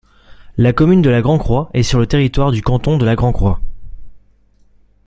La commune de La Grand-Croix est sur le territoire du canton de La Grand-Croix.